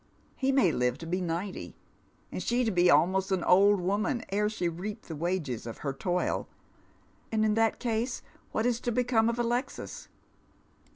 He may live to be ninety, and she be almost an old woman ere she reap the wages of her toil ; and in that case what is to become of Alexis